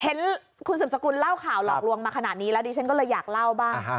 เห็นคุณสืบสกุลเล่าข่าวหลอกลวงมาขนาดนี้แล้วดิฉันก็เลยอยากเล่าบ้าง